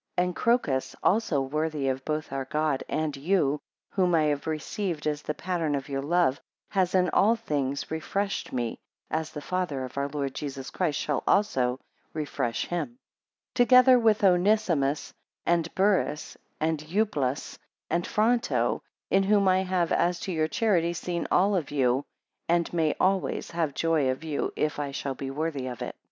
7 And Crocus also worthy of both our God and you, whom I have received as the pattern of your love, has in all things refreshed me, as the Father of our Lord Jesus Christ shall also refresh him; together with Onesimus, and Burrhus, and Euplus, and Fronto, in whom I have, as to your charity, seen all of you, And may always, have joy of you, if I shall be worthy of it.